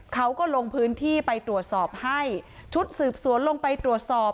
เขาก็ลงพื้นที่ไปตรวจสอบให้ชุดสืบสวนลงไปตรวจสอบ